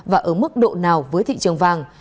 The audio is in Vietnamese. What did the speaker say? và ở mức độ nào với thị trường vàng